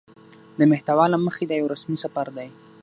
د محتوا له مخې دا يو رسمي سفر دى